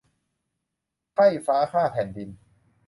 ไพร่ฟ้าข้าแผ่นดิน